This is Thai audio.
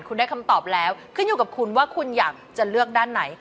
คุณได้คำตอบแล้วขึ้นอยู่กับคุณว่าคุณอยากจะเลือกด้านไหน